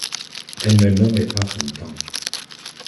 Elle ne nommait pas Fontan.